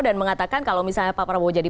dan mengatakan kalau misalnya pak prabowo jadi